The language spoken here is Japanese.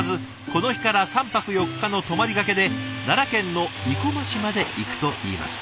この日から３泊４日の泊まりがけで奈良県の生駒市まで行くといいます。